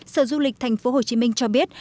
sở du lịch tp hcm cho biết